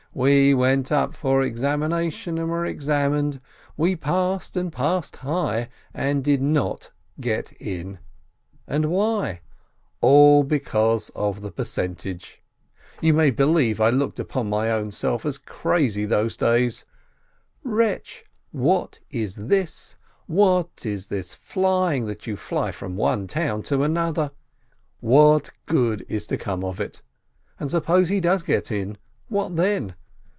We went up for examination, and were examined, and we passed and passed high, and did not get in — and why ? All because of the percentage ! You may believe, I looked upon my own self as crazy those days ! "Wretch ! what is this ? What is this flying that you fly from one town to another? What good is to come of it? And suppose he does get in, what then?"